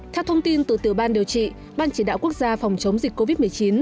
theo thông tin từ tiểu ban điều trị ban chỉ đạo quốc gia phòng chống dịch covid một mươi chín